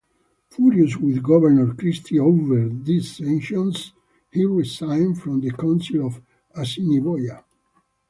Furious with Governor Christie over these sanctions, he resigned from the Council of Assiniboia.